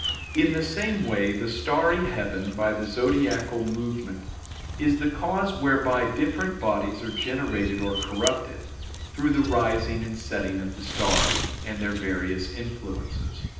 In the same way the starry heaven, by the zodiacal movement, is the cause whereby different bodies are generated or corrupted, through the rising and setting of the stars, and their various influences.